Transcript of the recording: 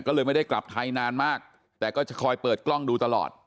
ก็เลยไม่ได้กลับไทยนานมากแต่ก็จะคอยเปิดกล้องดูตลอด